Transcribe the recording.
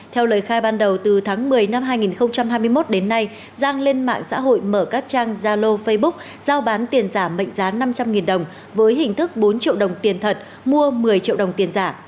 theo lời khai ban đầu từ tháng một mươi năm hai nghìn hai mươi một đến nay giang lên mạng xã hội mở các trang gia lô facebook giao bán tiền giả mệnh giá năm trăm linh đồng với hình thức bốn triệu đồng tiền thật mua một mươi triệu đồng tiền giả